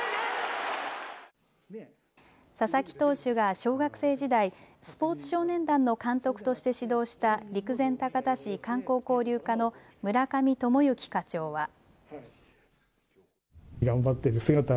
佐々木投手が小学生時代、スポーツ少年団の監督として指導した陸前高田市観光交流課の村上知幸課長は。